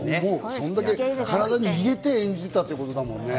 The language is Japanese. そんだけ体に入れて、演じたってことだもんね。